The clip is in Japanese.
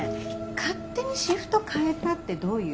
勝手にシフト変えたってどういう？